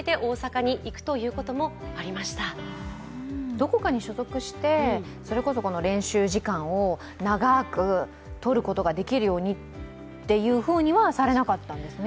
どこかに所属して、それこそ練習時間を長くとることができるようにってはされなかったんですね。